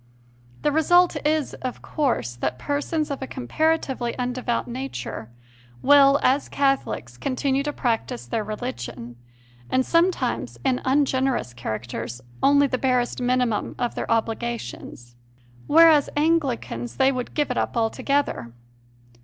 The result is, of course, that persons of a comparatively undevout nature will, as Catholics, continue to practise their religion, and sometimes, in ungenerous characters, only the barest minimum of their obli gations; whereas as Anglicans they would give it CONFESSIONS OF A CONVERT 151 up altogether.